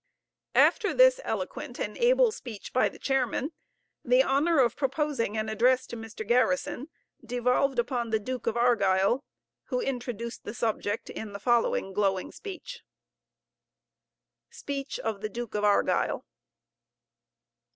After this eloquent and able speech by the chairman, the honor of proposing an address to Mr. Garrison devolved upon the Duke of Argyll, who introduced the subject in the following glowing speech: SPEECH OF THE DUKE OF ARGYLL.